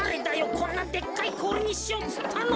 こんなでかいこおりにしようっつったの。